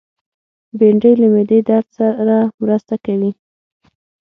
بېنډۍ له معدې درد سره مرسته کوي